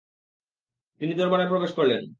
তিনি দরবারে প্রবেশ করলেন।